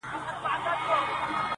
پرون ورور سبا تربور وي بیا دښمن سي؛